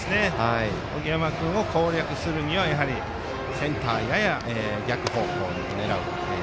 荻山君を攻略するにはセンター、やや逆方向を狙う。